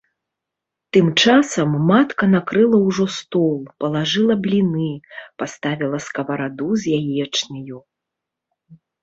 Тым часам матка накрыла ўжо стол, палажыла бліны, паставіла скавараду з яечняю.